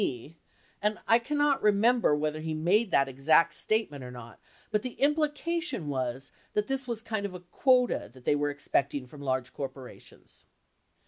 470 me, and I cannot remember whether he made that exact state ment or not, but the implication was that this was kind of a quota that they were expecting from large corporations.